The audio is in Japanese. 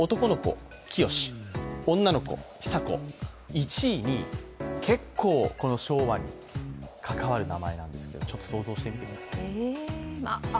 １位は結構、昭和に関わる名前なんですけどちょっと想像してみてください。